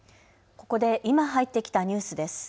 ここで今入ってきたニュースです。